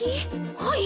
はい。